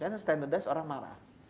karena standardized orang marah